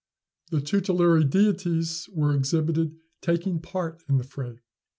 The tutelary deities were exhibited taking part in the fray.